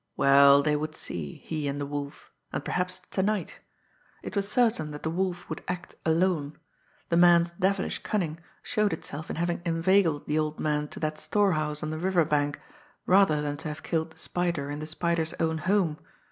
Well, they would see, he and the Wolf and perhaps to night! It was certain that the Wolf would act alone. The man's devilish cunning showed itself in having inveigled the old man to that storehouse on the river bank, rather than to have killer the Spider in the Spider's own home.